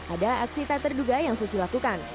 ada aksi tak terduga yang susi lakukan